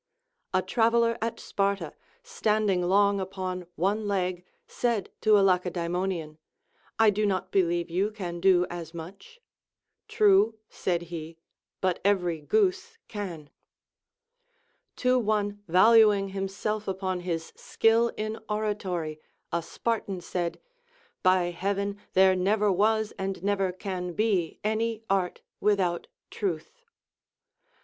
A travel ler at Sparta, standing long upon one leg, said to a Lacedae monian, I do not believe you can do as much ; True, said he, but every goose can. To one valuing himself upon his skill in oratory a Spartan said, By heaven, there never VOL. I. 28 434 LACONIC APOPHTHEGMS. was and never can be any art without truth.